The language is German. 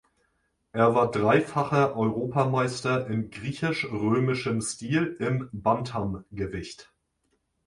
Er war dreifacher Europameister im griechisch-römischen Stil im Bantamgewicht.